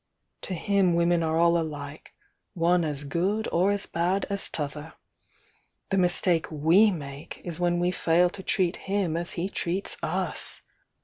To him women are all alike, — one as good or as bad as t'other. The mistake we make is when we fail to treat him as he treats us!